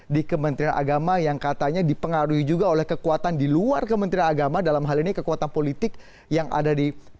di kementerian agama yang katanya dipengaruhi juga oleh kekuatan di luar kementerian agama dalam hal ini kekuatan politik yang ada di